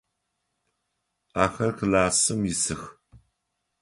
Ахэр классым исых.